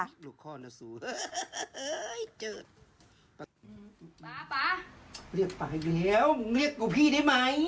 เรียกไปแล้วเรียกกับพี่ได้ไหม